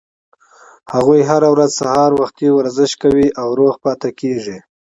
هغوي هره ورځ سهار وخته ورزش کوي او روغ پاتې کیږي